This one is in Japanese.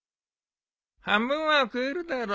半分は食えるだろ。